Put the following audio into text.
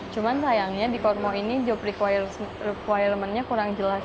cuma sayangnya di kormo ini job requirement nya kurang jelas